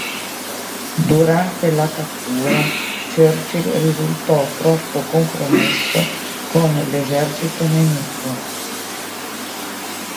Durante la cattura, Churchill risultò troppo compromesso con l'esercito nemico.